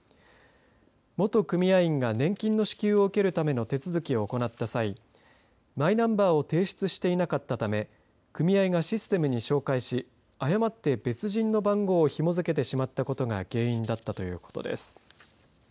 元組合員が年金の支給を受けるための手続きを行った際マイナンバーを提出していなかったため組合がシステムに照合し誤って別人の番号をひも付けてしまったことが原因だったと言うことです。